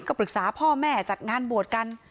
ก็ปรึกษาพ่อแม่จัดงานบวชกัน